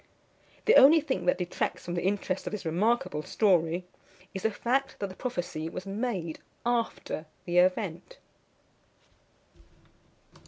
The only thing that detracts from the interest of this remarkable story is the fact, that the prophecy was made after the event.